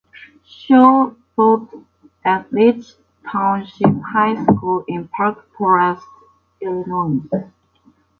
Shaw taught at Rich Township High School in Park Forest, Illinois.